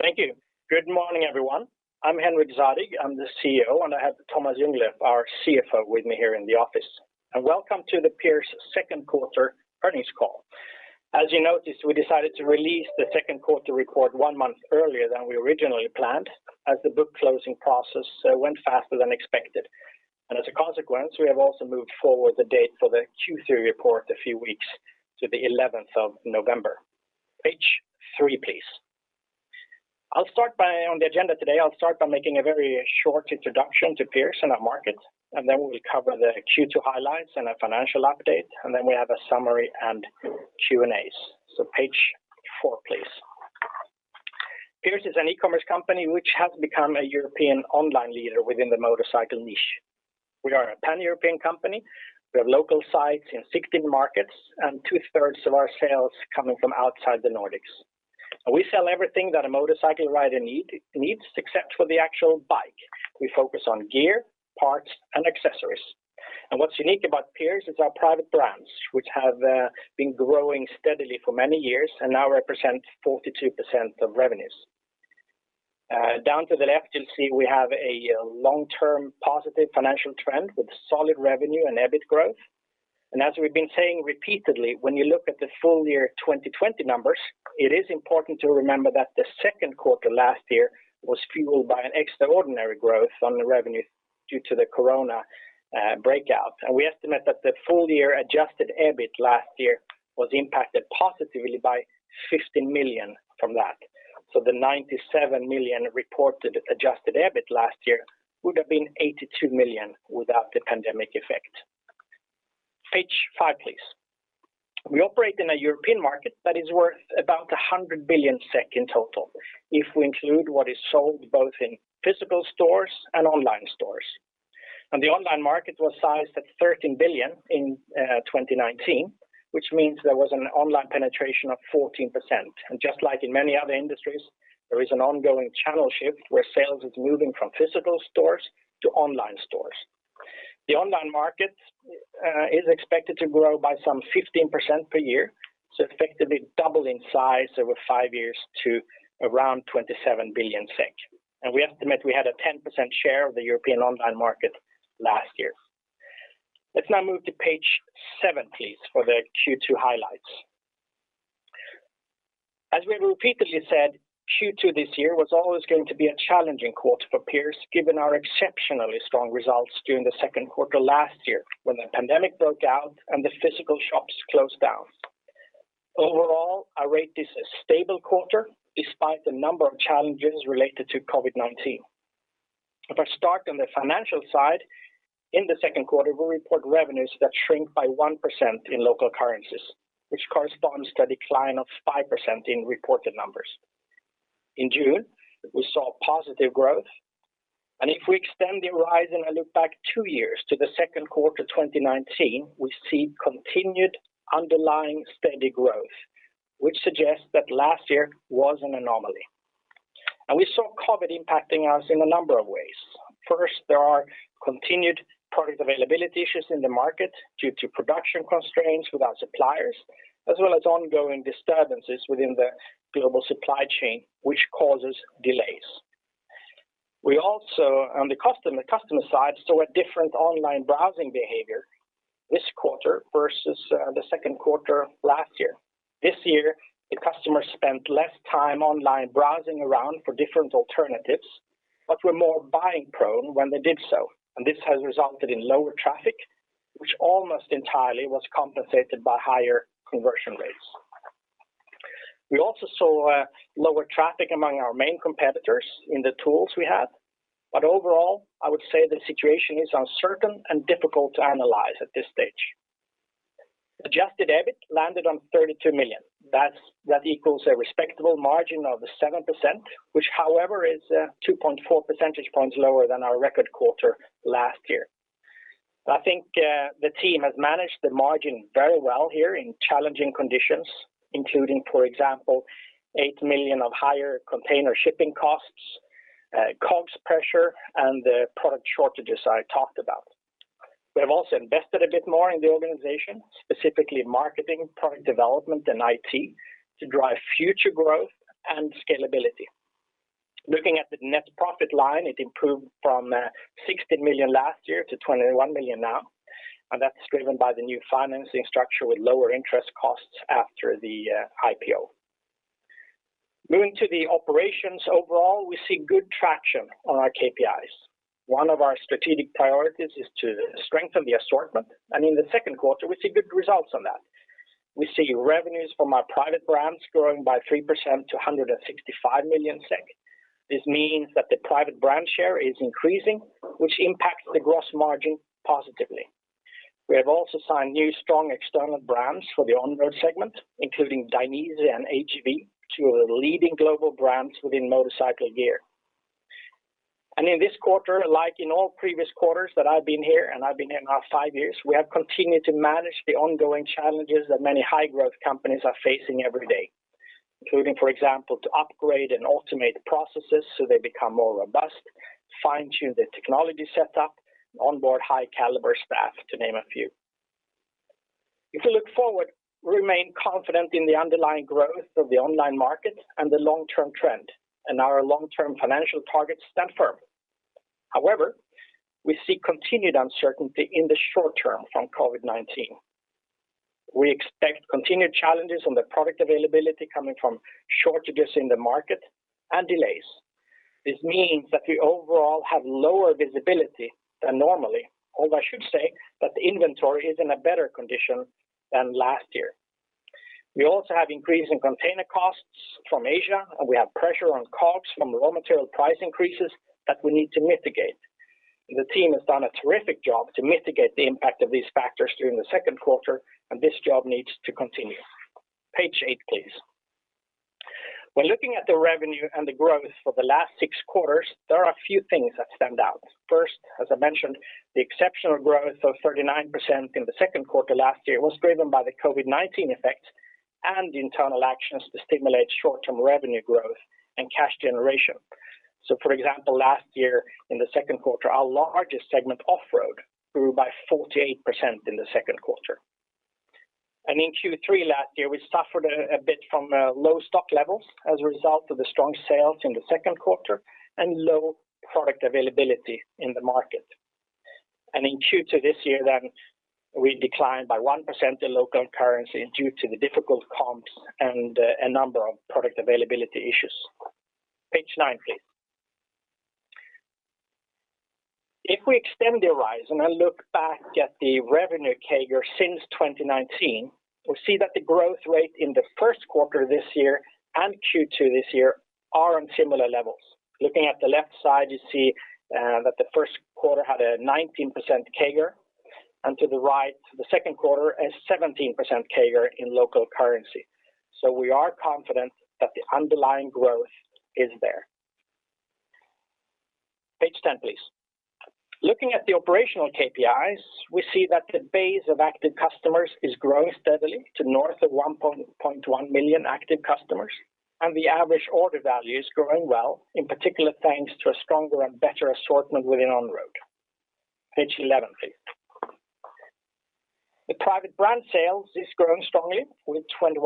Thank you. Good morning, everyone. I'm Henrik Zadig. I'm the CEO, and I have Tomas Ljunglöf, our CFO, with me here in the office. Welcome to the Pierce second-quarter earnings call. As you noticed, we decided to release the second quarter report one month earlier than we originally planned, as the book closing process went faster than expected. As a consequence, we have also moved forward the date for the Q3 report a few weeks to the 11th of November. Page three, please. On the agenda today, I'll start by making a very short introduction to Pierce and our market, and then we will cover the Q2 highlights and a financial update, and then we have a summary and Q&As. Page four, please. Pierce is an e-commerce company which has become a European online leader within the motorcycle niche. We are a pan-European company. We have local sites in 16 markets, 2/3 of our sales coming from outside the Nordics. We sell everything that a motorcycle rider needs except for the actual bike. We focus on gear, parts, and accessories. What's unique about Pierce is our private brands, which have been growing steadily for many years and now represent 42% of revenues. Down to the left, you'll see we have a long-term positive financial trend with solid revenue and EBIT growth. As we've been saying repeatedly, when you look at the full year 2020 numbers, it is important to remember that the second quarter last year was fueled by an extraordinary growth on the revenue due to the corona breakout. We estimate that the full year adjusted EBIT last year was impacted positively by 15 million from that. The 97 million reported adjusted EBIT last year would have been 82 million without the pandemic effect. Page five, please. We operate in a European market that is worth about 100 billion SEK in total, if we include what is sold both in physical stores and online stores. The online market was sized at 13 billion in 2019, which means there was an online penetration of 14%. Just like in many other industries, there is an ongoing channel shift where sales is moving from physical stores to online stores. The online market is expected to grow by some 15% per year, so effectively double in size over five years to around 27 billion SEK. We estimate we had a 10% share of the European online market last year. Let's now move to page seven, please, for the Q2 highlights. As we repeatedly said, Q2 this year was always going to be a challenging quarter for Pierce, given our exceptionally strong results during the second quarter last year when the pandemic broke out and the physical shops closed down. Overall, I rate this a stable quarter despite the number of challenges related to COVID-19. If I start on the financial side, in the second quarter, we report revenues that shrink by 1% in local currencies, which corresponds to a decline of 5% in reported numbers. In June, we saw positive growth. If we extend the rise and look back two years to the second quarter 2019, we see continued underlying steady growth, which suggests that last year was an anomaly. We saw COVID impacting us in a number of ways. First, there are continued product availability issues in the market due to production constraints with our suppliers, as well as ongoing disturbances within the global supply chain, which causes delays. We also, on the customer side, saw a different online browsing behavior this quarter versus the second quarter last year. This year, the customers spent less time online browsing around for different alternatives, but were more buying-prone when they did so. This has resulted in lower traffic, which almost entirely was compensated by higher conversion rates. We also saw lower traffic among our main competitors in the tools we have, but overall, I would say the situation is uncertain and difficult to analyze at this stage. Adjusted EBIT landed on 32 million. That equals a respectable margin of 7%, which, however, is 2.4 percentage points lower than our record quarter last year. I think the team has managed the margin very well here in challenging conditions, including, for example, 8 million of higher container shipping costs, COGS pressure, and the product shortages I talked about. We have also invested a bit more in the organization, specifically marketing, product development, and IT, to drive future growth and scalability. Looking at the net profit line, it improved from 16 million last year to 21 million now. That's driven by the new financing structure with lower interest costs after the IPO. Moving to the operations overall, we see good traction on our KPIs. One of our strategic priorities is to strengthen the assortment. In the second quarter, we see good results on that. We see revenues from our private brands growing by 3% to 165 million SEK. This means that the private brand share is increasing, which impacts the gross margin positively. We have also signed new strong external brands for the Onroad segment, including Dainese and AGV, two of the leading global brands within motorcycle gear. In this quarter, like in all previous quarters that I've been here, and I've been here now five years, we have continued to manage the ongoing challenges that many high-growth companies are facing every day, including, for example, to upgrade and automate processes so they become more robust, fine-tune the technology setup, onboard high-caliber staff, to name a few. We look forward, we remain confident in the underlying growth of the online market and the long-term trend. Our long-term financial targets stand firm. We see continued uncertainty in the short term from COVID-19. We expect continued challenges on the product availability coming from shortages in the market and delays. This means that we overall have lower visibility than normally, although I should say that the inventory is in a better condition than last year. We also have increasing container costs from Asia, and we have pressure on costs from raw material price increases that we need to mitigate. The team has done a terrific job to mitigate the impact of these factors during the second quarter, and this job needs to continue. Page eight, please. When looking at the revenue and the growth for the last six quarters, there are a few things that stand out. First, as I mentioned, the exceptional growth of 39% in the second quarter last year was driven by the COVID-19 effects and internal actions to stimulate short-term revenue growth and cash generation. For example, last year in the second quarter, our largest segment Offroad grew by 48% in the second quarter. In Q3 last year, we suffered a bit from low stock levels as a result of the strong sales in the second quarter and low product availability in the market. In Q2 this year then, we declined by 1% in local currency due to the difficult comps and a number of product availability issues. Page nine, please. If we extend the horizon and look back at the revenue CAGR since 2019, we will see that the growth rate in the first quarter this year and Q2 this year are on similar levels. Looking at the left side, you see that the first quarter had a 19% CAGR, and to the right, the second quarter, a 17% CAGR in local currency. We are confident that the underlying growth is there. Page 10, please. Looking at the operational KPIs, we see that the base of active customers is growing steadily to north of 1.1 million active customers, and the average order value is growing well, in particular, thanks to a stronger and better assortment within Onroad. Page 11, please. The private brand sales is growing strongly with 21%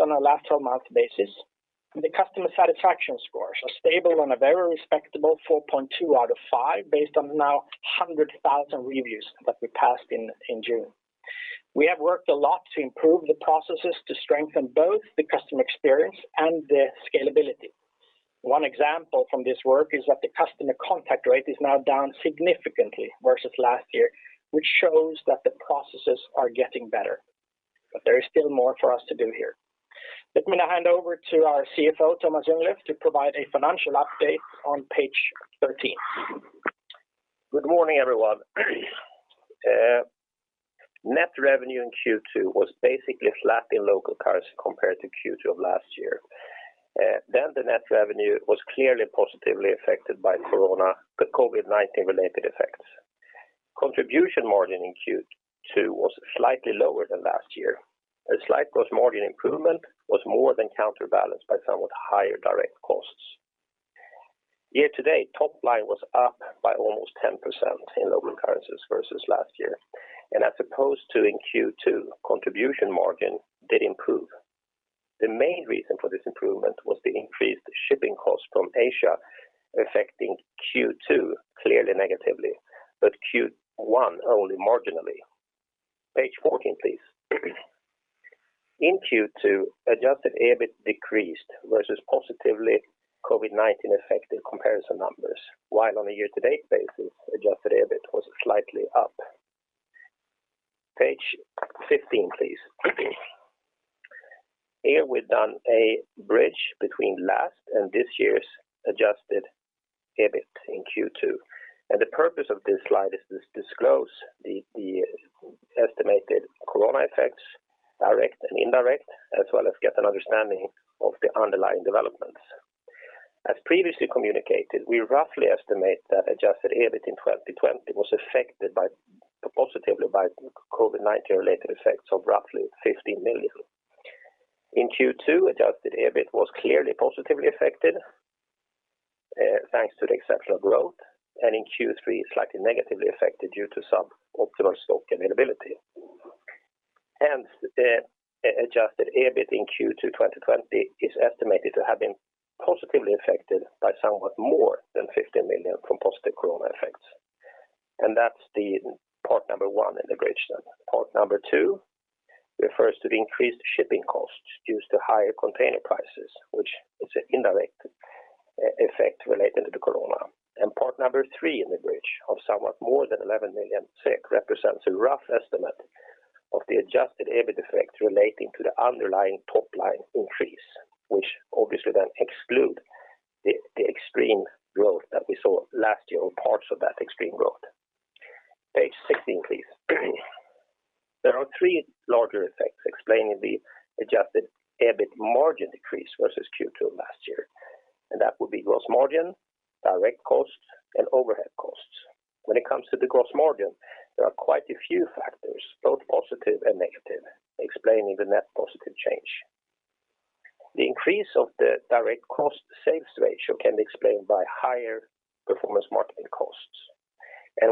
on a last 12 months basis, and the customer satisfaction scores are stable on a very respectable 4.2/5 based on now 100,000 reviews that we passed in June. We have worked a lot to improve the processes to strengthen both the customer experience and the scalability. One example from this work is that the customer contact rate is now down significantly versus last year, which shows that the processes are getting better. There is still more for us to do here. Let me now hand over to our CFO, Tomas Ljunglöf, to provide a financial update on page 13. Good morning, everyone. Net revenue in Q2 was basically flat in local currency compared to Q2 of last year. The net revenue was clearly positively affected by corona, the COVID-19 related effects. Contribution margin in Q2 was slightly lower than last year. A slight gross margin improvement was more than counterbalanced by somewhat higher direct costs. Year-to-date, top line was up by almost 10% in local currencies versus last year, and as opposed to in Q2, contribution margin did improve. The main reason for this improvement was the increased shipping costs from Asia affecting Q2 clearly negatively, but Q1 only marginally. Page 14, please. In Q2, adjusted EBIT decreased versus positively COVID-19 affected comparison numbers, while on a year-to-date basis, adjusted EBIT was slightly up. Page 15, please. Here we've done a bridge between last and this year's adjusted EBIT in Q2. The purpose of this slide is to disclose the estimated corona effects, direct and indirect, as well as get an understanding of the underlying developments. As previously communicated, we roughly estimate that adjusted EBIT in 2020 was affected positively by COVID-19 related effects of roughly 15 million. In Q2, adjusted EBIT was clearly positively affected thanks to the exceptional growth, and in Q3, slightly negatively affected due to suboptimal stock availability. Hence, adjusted EBIT in Q2 2020 is estimated to have been positively affected by somewhat more than 15 million from positive corona effects. That's the part number one in the bridge then. Part number two refers to the increased shipping costs due to higher container prices, which is an indirect effect related to the corona. Part number three in the bridge of somewhat more than 11 million represents a rough estimate of the adjusted EBIT effect relating to the underlying top-line increase, which obviously exclude the extreme growth that we saw last year or parts of that extreme growth. Page 16, please. There are three larger effects explaining the adjusted EBIT margin decrease versus Q2 of last year. That would be gross margin, direct costs, and overhead costs. When it comes to the gross margin, there are quite a few factors, both positive and negative, explaining the net positive change. The increase of the direct cost sales ratio can be explained by higher performance marketing costs.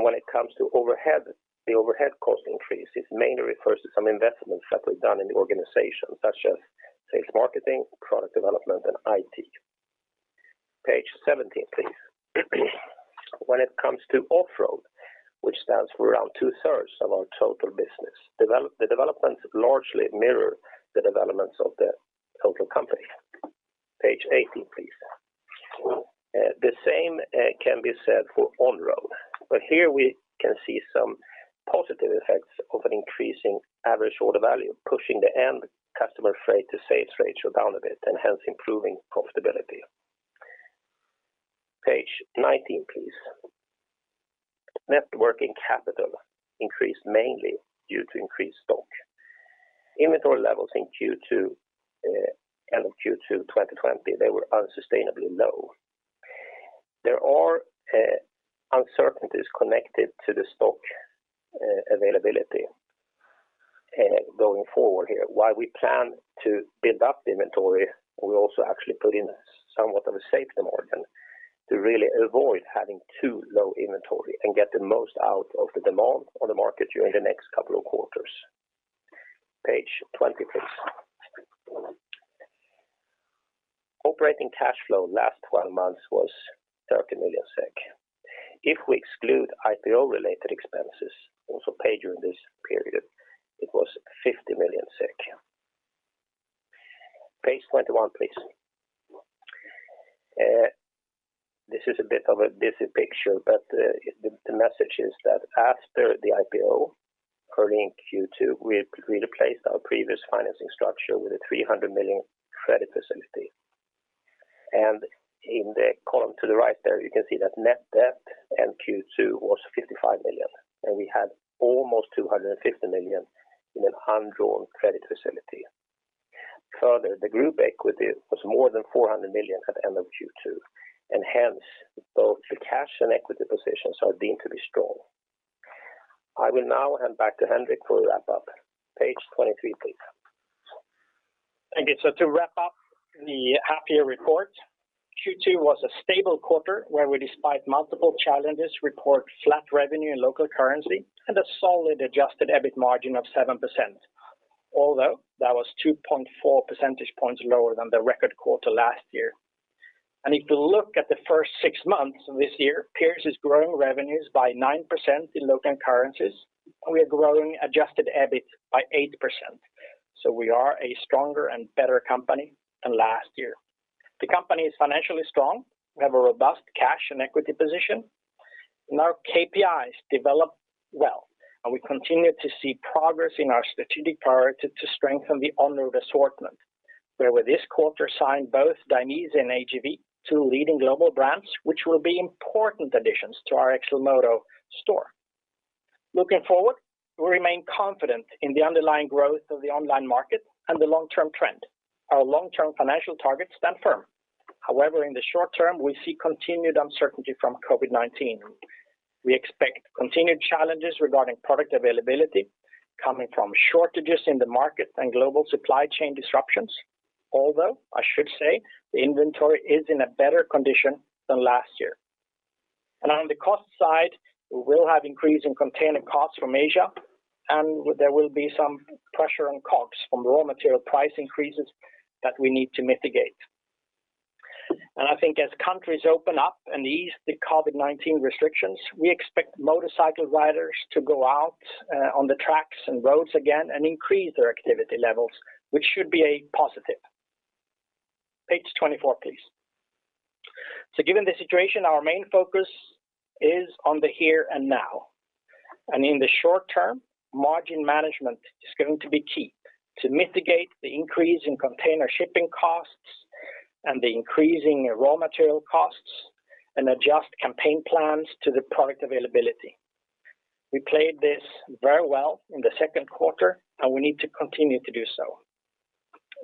When it comes to overhead, the overhead cost increase, this mainly refers to some investments that we've done in the organization, such as sales marketing, product development, and IT. Page 17, please. When it comes to Offroad, which stands for around 2/3 of our total business, the developments largely mirror the developments of the total company. Page 18, please. The same can be said for Onroad. Here we can see some positive effects of an increasing average order value, pushing the end customer freight to sales ratio down a bit and hence improving profitability. Page 19, please. Net working capital increased mainly due to increased stock. Inventory levels end of Q2 2020, they were unsustainably low. There are uncertainties connected to the stock availability going forward here. While we plan to build up the inventory, we also actually put in somewhat of a safety margin to really avoid having too low inventory and get the most out of the demand on the market during the next couple of quarters. Page 20, please. Operating cash flow last 12 months was 30 million SEK. If we exclude IPO-related expenses also paid during this period, it was 50 million SEK. Page 21, please. This is a bit of a busy picture, but the message is that after the IPO early in Q2, we replaced our previous financing structure with a 300 million credit facility. And in the column to the right there, you can see that net debt in Q2 was 55 million, and we had almost 250 million in undrawn credit facility. Further, the group equity was more than 400 million at the end of Q2, and hence both the cash and equity positions are deemed to be strong. I will now hand back to Henrik for the wrap-up. Page 23, please. Thank you. To wrap up the half-year report, Q2 was a stable quarter where we, despite multiple challenges, report flat revenue in local currency and a solid adjusted EBIT margin of 7%, although that was 2.4 percentage points lower than the record quarter last year. If you look at the first six months of this year, Pierce is growing revenues by 9% in local currencies, and we are growing adjusted EBIT by 8%. We are a stronger and better company than last year. The company is financially strong. We have a robust cash and equity position, and our KPIs developed well, and we continue to see progress in our strategic priority to strengthen the Onroad assortment, where with this quarter signed both Dainese and AGV, two leading global brands, which will be important additions to our XLMOTO store. Looking forward, we remain confident in the underlying growth of the online market and the long-term trend. Our long-term financial targets stand firm. However, in the short term, we see continued uncertainty from COVID-19. We expect continued challenges regarding product availability coming from shortages in the market and global supply chain disruptions, although I should say the inventory is in a better condition than last year. On the cost side, we will have increase in container costs from Asia, and there will be some pressure on COGS from raw material price increases that we need to mitigate. I think as countries open up and ease the COVID-19 restrictions, we expect motorcycle riders to go out on the tracks and roads again and increase their activity levels, which should be a positive. Page 24, please. Given the situation, our main focus is on the here and now, and in the short term, margin management is going to be key to mitigate the increase in container shipping costs and the increasing raw material costs and adjust campaign plans to the product availability. We played this very well in the second quarter, and we need to continue to do so.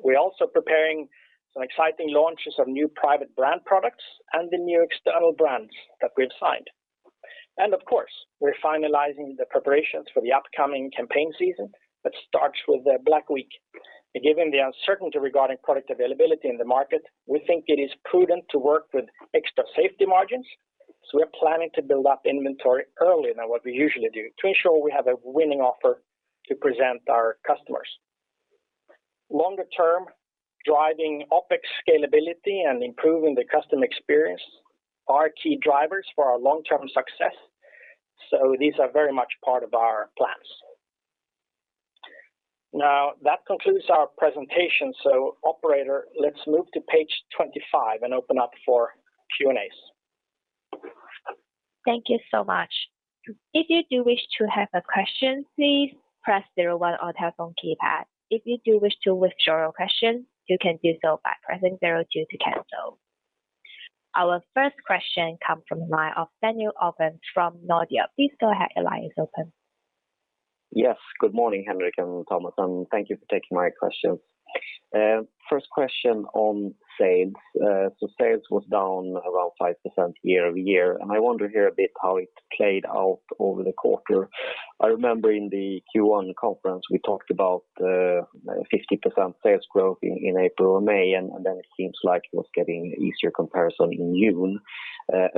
We're also preparing some exciting launches of new private brand products and the new external brands that we've signed. Of course, we're finalizing the preparations for the upcoming campaign season that starts with Black Week. Given the uncertainty regarding product availability in the market, we think it is prudent to work with extra safety margins, so we are planning to build up inventory earlier than what we usually do to ensure we have a winning offer to present our customers. Longer term, driving OpEx scalability and improving the customer experience are key drivers for our long-term success. These are very much part of our plans. That concludes our presentation. Operator, let's move to page 25 and open up for Q&As. Thank you so much. If you do wish to have a question, please press zero one on telephone keypad. If you do wish to withdraw your question, you can do so by pressing zero two to cancel. Our first question comes from the line of Daniel Ovin from Nordea. Please go ahead. Your line is open. Yes. Good morning, Henrik and Tomas, and thank you for taking my questions. First question on sales. Sales was down around 5% year-over-year, and I want to hear a bit how it played out over the quarter. I remember in the Q1 conference, we talked about 50% sales growth in April or May, and then it seems like it was getting easier comparison in June.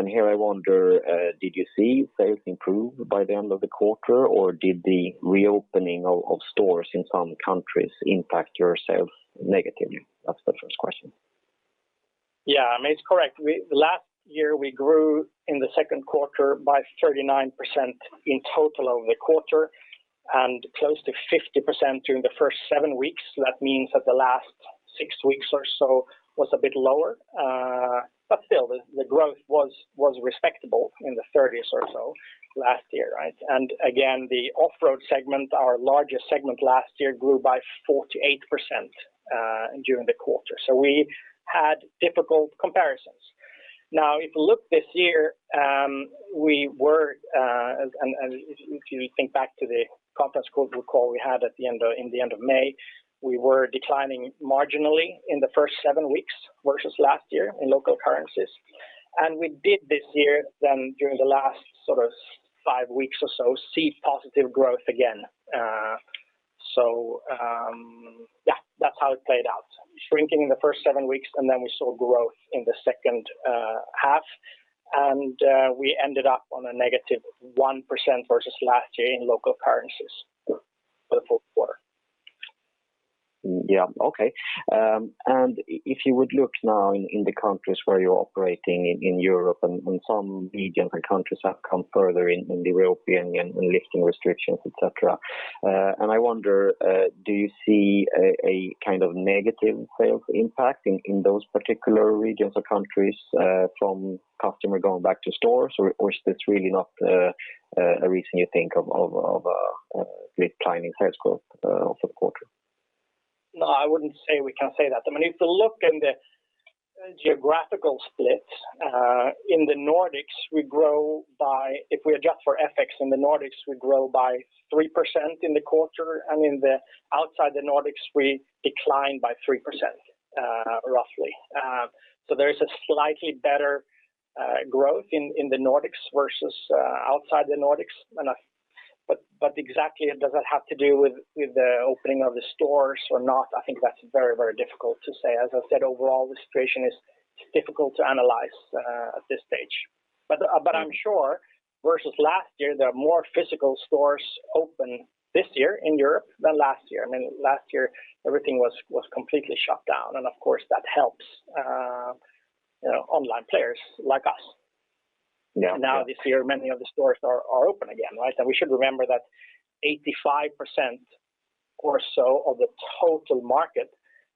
Here I wonder, did you see sales improve by the end of the quarter, or did the reopening of stores in some countries impact your sales negatively? That's the first question. Yeah, it's correct. Last year, we grew in the second quarter by 39% in total over the quarter and close to 50% during the first seven weeks. That means that the last six weeks or so was a bit lower. Still, the growth was respectable in the 30%s or so last year, right? Again, the Offroad segment, our largest segment last year, grew by 48% during the quarter. We had difficult comparisons. If you look this year, if you think back to the conference call we had in the end of May, we were declining marginally in the first seven weeks versus last year in local currencies. We did this year then during the last five weeks or so, see positive growth again. Yeah, that's how it played out. Shrinking in the first seven weeks, and then we saw growth in the second half, and we ended up on a -1% versus last year in local currencies for the fourth quarter. Yeah. Okay. If you would look now in the countries where you're operating in Europe and some regions and countries have come further in the reopening and lifting restrictions, et cetera. I wonder, do you see a kind of negative sales impact in those particular regions or countries, from customer going back to stores? Is this really not a reason you think of declining sales growth for the quarter? No, I wouldn't say we can say that. If you look in the geographical split, in the Nordics, if we adjust for FX in the Nordics, we grow by 3% in the quarter, and in the outside the Nordics, we decline by 3%, roughly. There is a slightly better growth in the Nordics versus outside the Nordics. Exactly does that have to do with the opening of the stores or not? I think that's very difficult to say. As I've said, overall, the situation is difficult to analyze at this stage. I'm sure versus last year, there are more physical stores open this year in Europe than last year. Last year, everything was completely shut down, and of course, that helps online players like us. Yeah. This year, many of the stores are open again, right? We should remember that 85% or so of the total market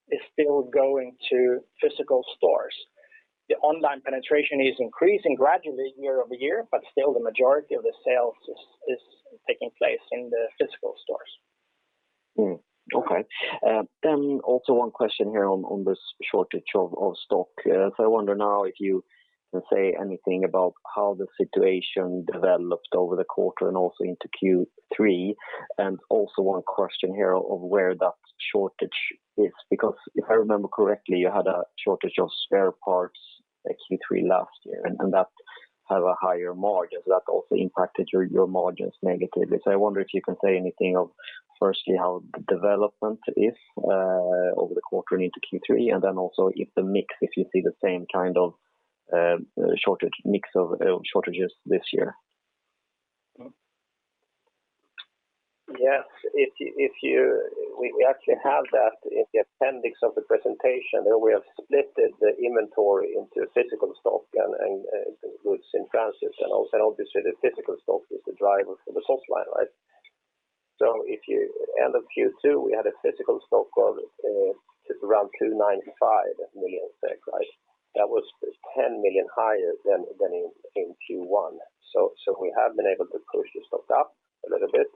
is still going to physical stores. The online penetration is increasing gradually year-over-year, but still the majority of the sales is taking place in the physical stores. One question here on this shortage of stock. I wonder now if you can say anything about how the situation developed over the quarter and also into Q3. Also, one question here of where that shortage is. If I remember correctly, you had a shortage of spare parts at Q3 last year, and that have a higher margin. That also impacted your margins negatively. I wonder if you can say anything of, firstly, how the development is over the quarter and into Q3, and then also if the mix, if you see the same kind of mix of shortages this year. Yes. We actually have that in the appendix of the presentation. There we have split the inventory into physical stock and goods in transit, obviously the physical stock is the driver for the top line, right? End of Q2, we had a physical stock of just around 295 million SEK, right? That was 10 million higher than in Q1. We have been able to push the stock up a little bit.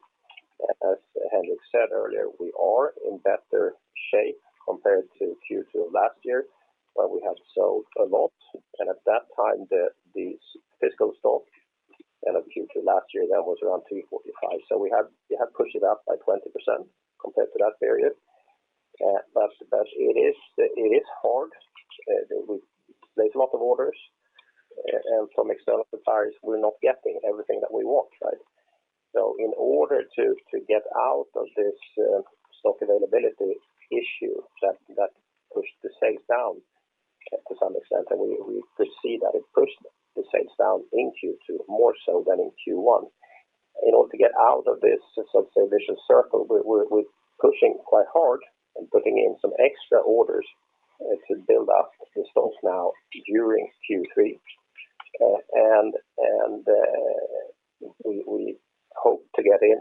As Henrik said earlier, we are in better shape compared to Q2 of last year, where we have sold a lot. At that time, the physical stock end of Q2 last year, that was around 245 million. We have pushed it up by 20% compared to that period. It is hard. There's a lot of orders, and from external suppliers, we're not getting everything that we want, right? In order to get out of this stock availability issue that pushed the sales down to some extent, and we could see that it pushed the sales down in Q2 more so than in Q1. In order to get out of this sort of vicious circle, we're pushing quite hard and putting in some extra orders to build up the stocks now during Q3. We hope to get in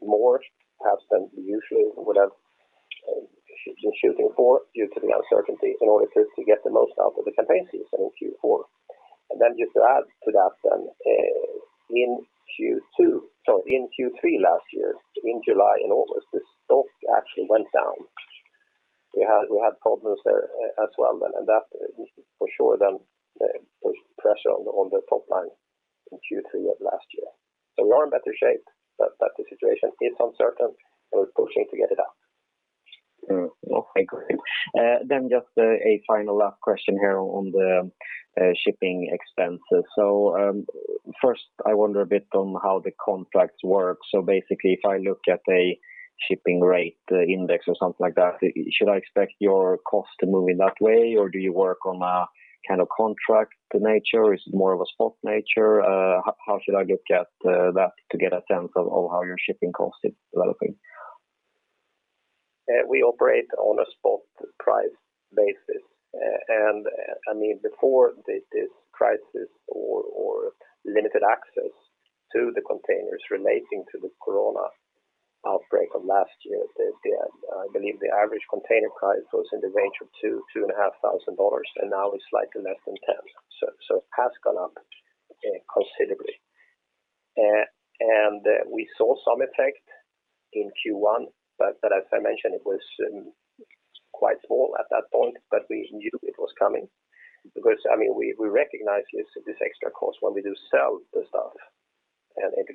more perhaps than we usually would have been shooting for due to the uncertainty in order to get the most out of the campaign season in Q4. Just to add to that then, in Q3 last year, in July and August, the stock actually went down. We had problems there as well, and that for sure then pushed pressure on the top line in Q3 of last year. We are in better shape, but the situation is uncertain. We're pushing to get it out. No, I agree. Just a final last question here on the shipping expenses. First I wonder a bit on how the contracts work. Basically, if I look at a shipping rate index or something like that, should I expect your cost to move in that way, or do you work on a kind of contract nature? Is it more of a spot nature? How should I look at that to get a sense of how your shipping cost is developing? We operate on a spot price basis. Before this crisis or limited access to the containers relating to the corona outbreak of last year, I believe the average container price was in the range of $2,000-$2,500, and now it's slightly less than $10,000. It has gone up considerably. We saw some effect in Q1, but as I mentioned, it was quite small at that point, but we knew it was coming because we recognize this extra cost when we do sell the stuff, and it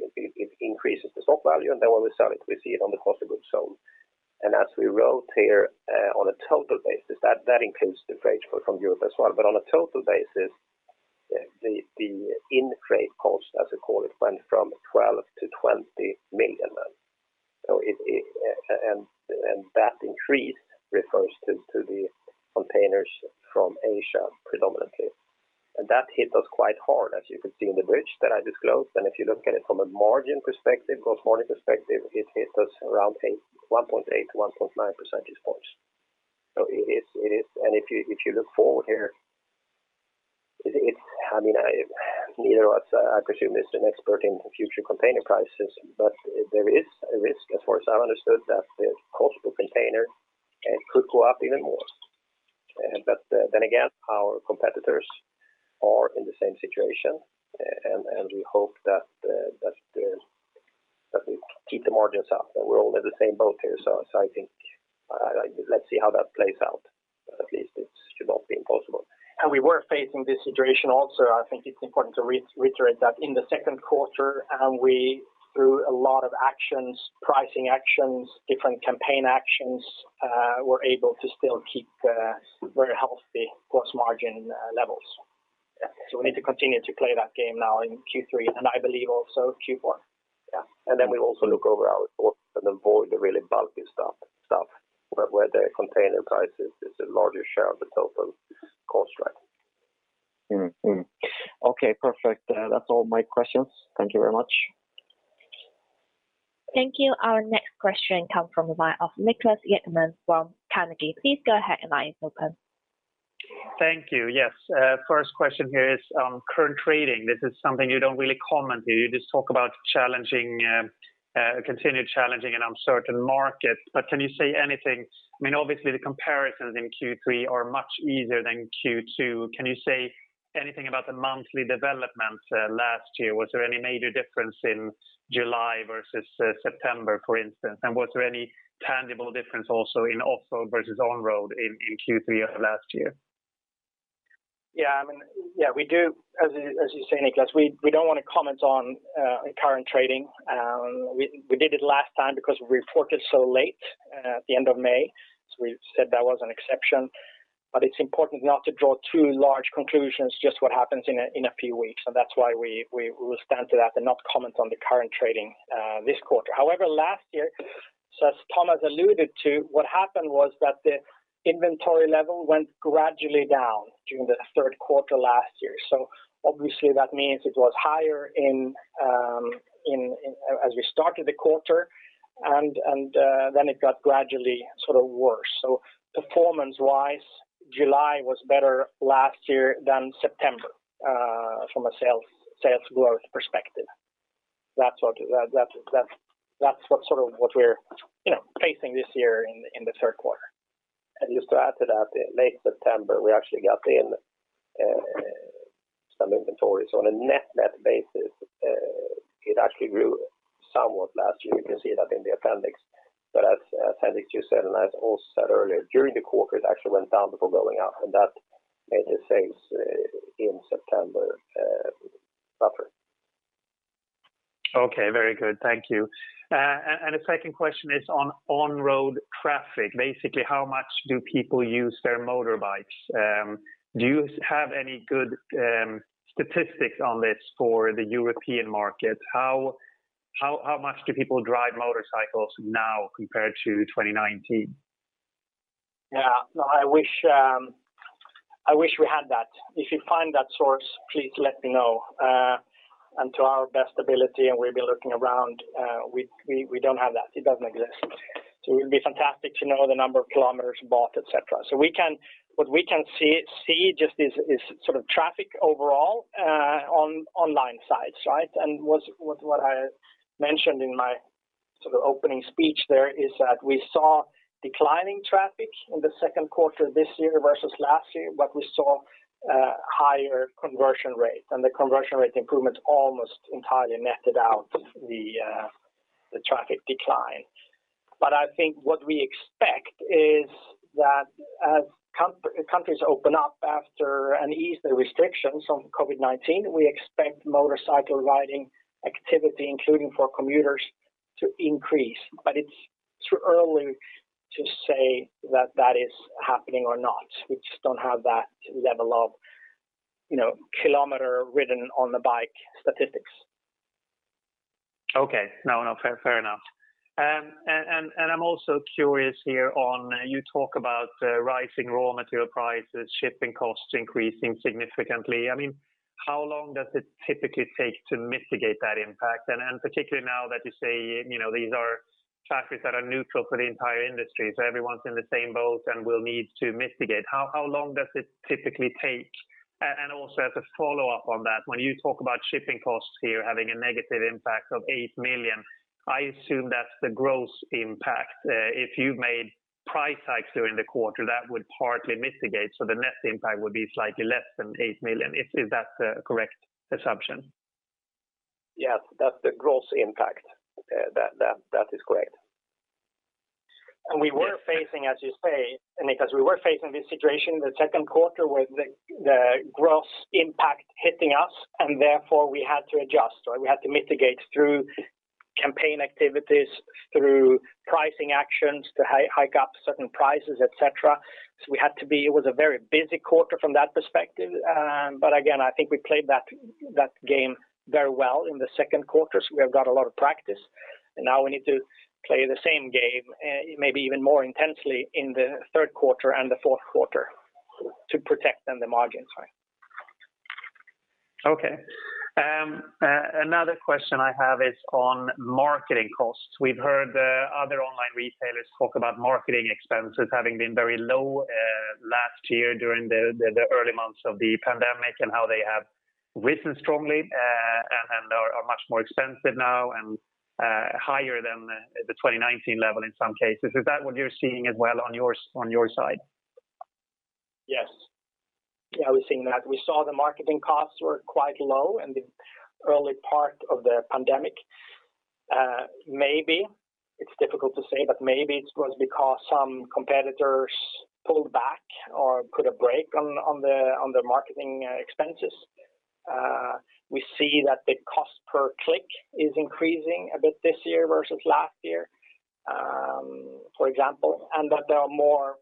increases the stock value, and then when we sell it, we see it on the cost of goods sold. As we wrote here on a total basis, that includes the freight from Europe as well. On a total basis, the in freight cost, as we call it, went from 12 million-20 million then. That increase refers to the containers from Asia predominantly. That hit us quite hard, as you can see in the bridge that I disclosed. If you look at it from a margin perspective, gross margin perspective, it hit us around a 1.8 percentage points-1.9 percentage points. If you look forward here, neither of us, I presume, is an expert in future container prices, but there is a risk, as far as I understood, that the cost of a container could go up even more. Then again, our competitors are in the same situation, and we hope that we keep the margins up, and we're all in the same boat here. I think let's see how that plays out. At least it should not be impossible. We were facing this situation also. I think it's important to reiterate that in the second quarter, we, through a lot of actions, pricing actions, different campaign actions were able to still keep very healthy gross margin levels. We need to continue to play that game now in Q3, and I believe also Q4. Yeah. We also look over our port and avoid the really bulky stuff where the container price is the largest share of the total cost. Okay, perfect. That's all my questions. Thank you very much. Thank you. Our next question come from the line of Niklas Ekman from Carnegie. Please go ahead, your line is open. Thank you. Yes. First question here is on current trading. This is something you don't really comment here. You just talk about continued challenging and uncertain markets. Can you say anything? Obviously, the comparisons in Q3 are much easier than Q2. Can you say anything about the monthly developments last year? Was there any major difference in July versus September, for instance? Was there any tangible difference also in Offroad versus Onroad in Q3 of last year? As you say, Niklas, we don't want to comment on current trading. We did it last time because we reported so late at the end of May. We said that was an exception. It's important not to draw too large conclusions, just what happens in a few weeks. That's why we will stand to that and not comment on the current trading this quarter. However, last year, as Tomas alluded to, what happened was that the inventory level went gradually down during the third quarter last year. Obviously, that means it was higher as we started the quarter, and then it got gradually sort of worse. Performance wise, July was better last year than September from a sales growth perspective. That's what sort of what we're facing this year in the third quarter. Just to add to that, late September, we actually got in some inventories. On a net-net basis it actually grew somewhat last year. You can see that in the appendix. As Henrik just said, and I also said earlier, during the quarter, it actually went down before going up, and that made the sales in September suffer. Okay. Very good. Thank you. The second question is on Onroad traffic. Basically, how much do people use their motorbikes? Do you have any good statistics on this for the European market? How much do people drive motorcycles now compared to 2019? Yeah. I wish we had that. If you find that source, please let me know. To our best ability, and we've been looking around, we don't have that. It doesn't exist. It would be fantastic to know the number of kilometers bought, et cetera. What we can see just is sort of traffic overall on online sites. What I mentioned in my sort of opening speech there is that we saw declining traffic in the second quarter this year versus last year, but we saw a higher conversion rate. The conversion rate improvements almost entirely netted out the traffic decline. I think what we expect is that as countries open up after and ease the restrictions on COVID-19, we expect motorcycle riding activity, including for commuters, to increase. It's too early to say that is happening or not. We just don't have that level of kilometer ridden on the bike statistics. Okay. No, fair enough. I'm also curious here on, you talk about rising raw material prices, shipping costs increasing significantly. How long does it typically take to mitigate that impact? Particularly now that you say these are factors that are neutral for the entire industry, so everyone's in the same boat and will need to mitigate. How long does it typically take? Also, as a follow-up on that, when you talk about shipping costs here having a negative impact of 8 million, I assume that's the gross impact. If you've made price hikes during the quarter, that would partly mitigate, so the net impact would be slightly less than 8 million. Is that the correct assumption? Yes, that's the gross impact. That is correct. We were facing, as you say, Niklas, we were facing this situation the second quarter with the gross impact hitting us, and therefore we had to adjust, or we had to mitigate through campaign activities, through pricing actions to hike up certain prices, et cetera. It was a very busy quarter from that perspective. Again, I think we played that game very well in the second quarter, so we have got a lot of practice. Now we need to play the same game, maybe even more intensely in the third quarter and the fourth quarter to protect the margins. Okay. Another question I have is on marketing costs. We've heard other online retailers talk about marketing expenses having been very low last year during the early months of the pandemic and how they have risen strongly and are much more expensive now and higher than the 2019 level in some cases. Is that what you're seeing as well on your side? Yes. We're seeing that. We saw the marketing costs were quite low in the early part of the pandemic. It's difficult to say, but maybe it was because some competitors pulled back or put a brake on the marketing expenses. We see that the cost per click is increasing a bit this year versus last year, for example, and that there are more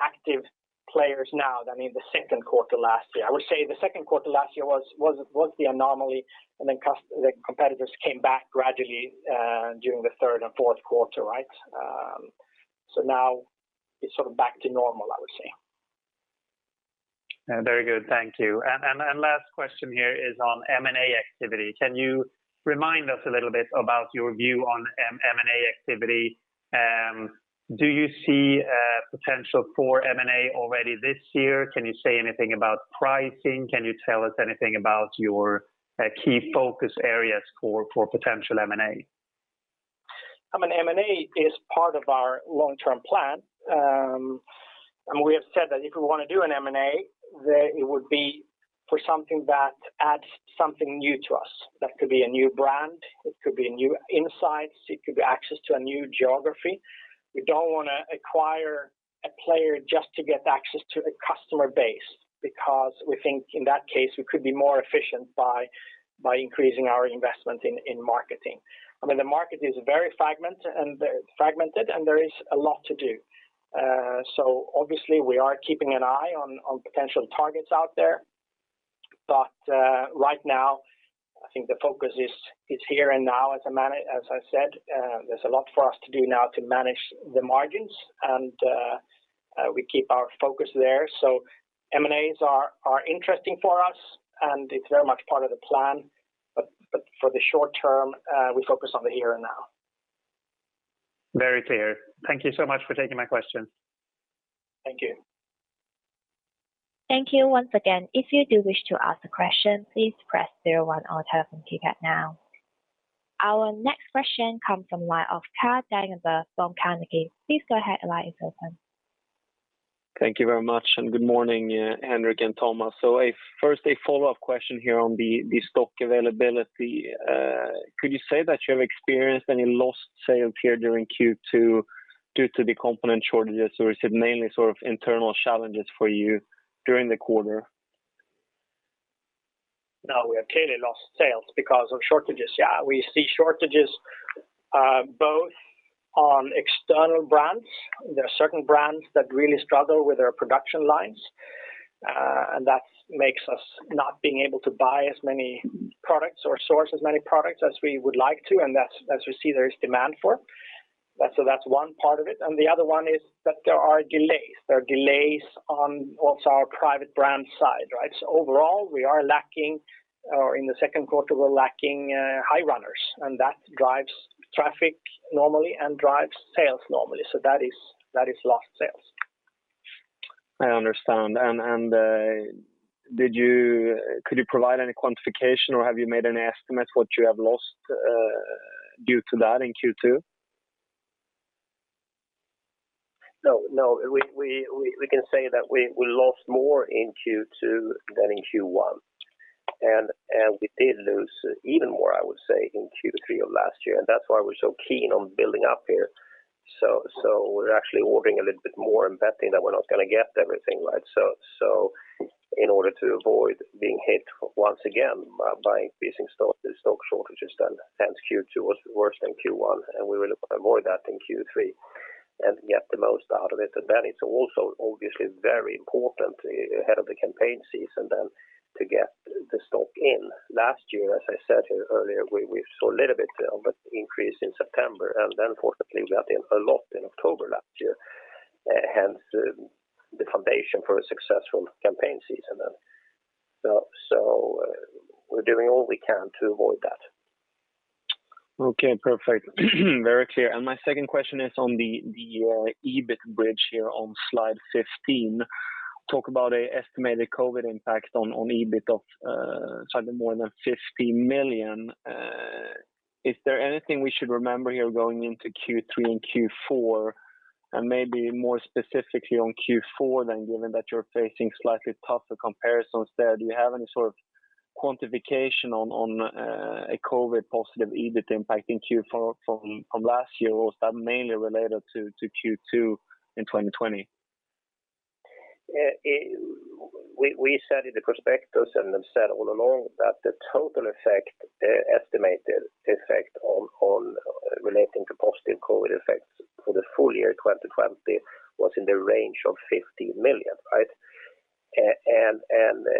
active players now than in the second quarter last year. I would say the second quarter last year was the anomaly, and then the competitors came back gradually during the third and fourth quarter. Now it's sort of back to normal, I would say. Very good. Thank you. Last question here is on M&A activity. Can you remind us a little bit about your view on M&A activity? Do you see a potential for M&A already this year? Can you say anything about pricing? Can you tell us anything about your key focus areas for potential M&A? M&A is part of our long-term plan. We have said that if we want to do an M&A, that it would be for something that adds something new to us. That could be a new brand, it could be a new insight, it could be access to a new geography. We don't want to acquire a player just to get access to a customer base because we think in that case, we could be more efficient by increasing our investment in marketing. The market is very fragmented and there is a lot to do. Obviously we are keeping an eye on potential targets out there. Right now, I think the focus is here and now, as I said. There's a lot for us to do now to manage the margins and we keep our focus there. M&As are interesting for us and it's very much part of the plan, but for the short term, we focus on the here and now. Very clear. Thank you so much for taking my question. Thank you. Thank you once again. If you do wish to ask a question, please press zero on your telephone keypad now. Our next question comes from the line of Carl Deijenberg from Carnegie. Please go ahead, your line is open. Thank you very much and good morning, Henrik and Tomas. First, a follow-up question here on the stock availability. Could you say that you have experienced any lost sales here during Q2 due to the component shortages, or is it mainly sort of internal challenges for you during the quarter? No, we have clearly lost sales because of shortages. We see shortages both on external brands. There are certain brands that really struggle with their production lines, and that makes us not being able to buy as many products or source as many products as we would like to, and as we see there is demand for. That's one part of it. The other one is that there are delays. There are delays on also our private brand side. Overall, in the second quarter, we're lacking high runners, and that drives traffic normally and drives sales normally. That is lost sales. I understand. Could you provide any quantification or have you made any estimates what you have lost due to that in Q2? No, we can say that we lost more in Q2 than in Q1. We did lose even more, I would say, in Q3 of last year, and that's why we're so keen on building up here. We're actually ordering a little bit more and betting that we're not going to get everything right. In order to avoid being hit once again by facing stock shortages, then hence Q2 was worse than Q1, and we will avoid that in Q3 and get the most out of it. It's also obviously very important ahead of the campaign season then to get the stock in. Last year, as I said here earlier, we saw a little bit of an increase in September, and then fortunately we got in a lot in October last year, hence the foundation for a successful campaign season then. We're doing all we can to avoid that. Okay, perfect. Very clear. My second question is on the EBIT bridge here on slide 15. Talk about estimated COVID impact on EBIT of slightly more than 50 million. Is there anything we should remember here going into Q3 and Q4 and maybe more specifically on Q4 than given that you're facing slightly tougher comparisons there? Do you have any sort of quantification on a COVID positive EBIT impact in Q4 from last year, or is that mainly related to Q2 in 2020? We said in the prospectus and have said all along that the total effect, the estimated effect relating to positive COVID effects for the full year 2020 was in the range of 50 million. Right?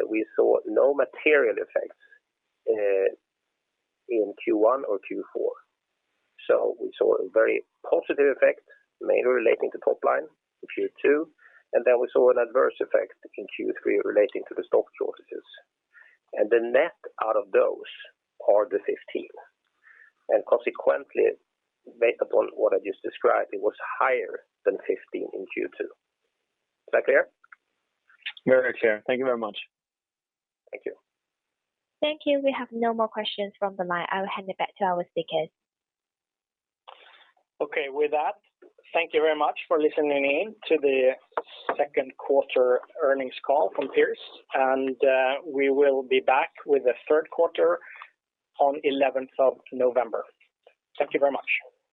We saw no material effects in Q1 or Q4. We saw a very positive effect mainly relating to top line in Q2, and then we saw an adverse effect in Q3 relating to the stock shortages. The net out of those are the 15. Consequently, based upon what I just described, it was higher than 15 in Q2. Is that clear? Very clear. Thank you very much. Thank you. Thank you. We have no more questions from the line. I will hand it back to our speakers. Okay. With that, thank you very much for listening in to the second quarter earnings call from Pierce. We will be back with the third quarter on 11th of November. Thank you very much.